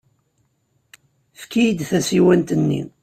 Efk-iyi-d tasiwant-nni.